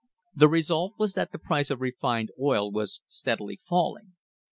The result was that the price of refined oil was steadily falling.